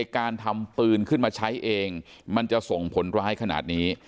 การทำปืนขึ้นมาใช้เองมันจะส่งผลร้ายขนาดนี้